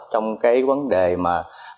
trong cái vấn đề mà